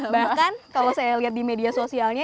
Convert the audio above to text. bahkan kalau saya lihat di media sosialnya